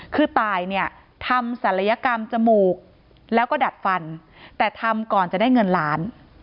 คือตายเนี่ยทำศัลยกรรมจมูกแล้วก็ดัดฟันแต่ทำก่อนจะได้เงินล้าน